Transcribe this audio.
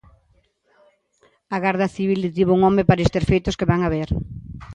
A Garda Civil detivo un home por estes feitos que van a ver.